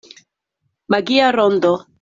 Magia rondo.